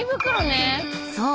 ［そう。